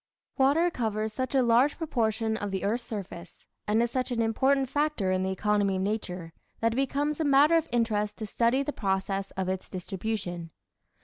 Water covers such a large proportion of the earth's surface and is such an important factor in the economy of nature that it becomes a matter of interest to study the process of its distribution.